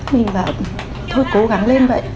mình bảo thôi cố gắng lên vậy